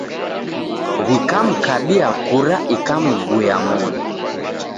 W'ikamkabia kura ikamguya moni.